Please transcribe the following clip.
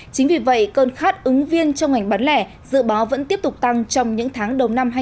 chính vì vậy cơn khát ứng viên trong ngành bán lẻ dự báo vẫn tiếp tục tăng trong những tháng đầu năm hai nghìn hai mươi